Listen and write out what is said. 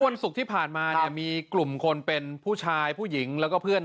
วันศุกร์ที่ผ่านมาเนี่ยมีกลุ่มคนเป็นผู้ชายผู้หญิงแล้วก็เพื่อน